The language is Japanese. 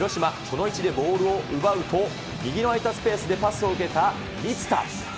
この位置でボールを奪うと、右の空いたスペースでパスを受けた満田。